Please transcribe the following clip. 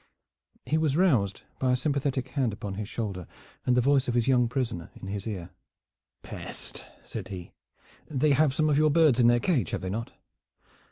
He was roused by a sympathetic hand upon his shoulder and the voice of his young prisoner in his ear. "Peste!" said he. "They have some of your birds in their cage, have they not?